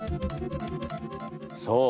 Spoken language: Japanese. そう！